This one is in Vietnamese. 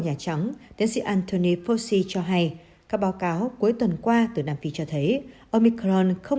hội đồng tiến sĩ anthony fauci cho hay các báo cáo cuối tuần qua từ nam phi cho thấy omicron không